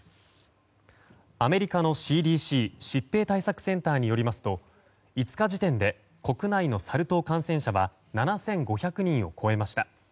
アメリカのＣＤＣ・疾病対策センターによりますと５日時点で国内のサル痘感染者は７５００人を超えました。